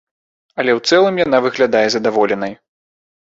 Але ў цэлым яна выглядае задаволенай.